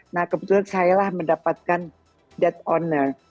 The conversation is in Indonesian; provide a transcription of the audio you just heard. nah kebetulan saya mendapatkan that honor